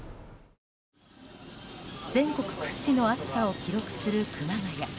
全国屈指の暑さを記録する熊谷。